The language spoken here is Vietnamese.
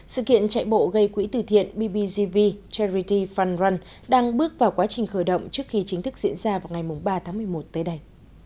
sự kiện chạy bộ gây quỹ từ thiện bbgv charity fund run đang bước vào quá trình khởi động trước khi chính thức diễn ra vào ngày ba tháng một mươi một tới đây